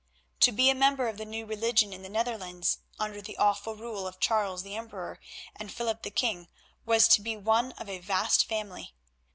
To be a member of the New Religion in the Netherlands under the awful rule of Charles the Emperor and Philip the King was to be one of a vast family.